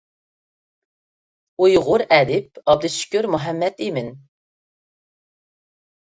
ئۇيغۇر ئەدىب ئابدۇشۈكۈر مۇھەممەتئىمىن.